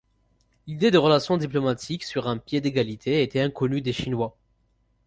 L'idée de relations diplomatiques sur un pied d'égalité était inconnue des Chinois.